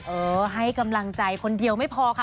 เออให้กำลังใจคนเดียวไม่พอค่ะ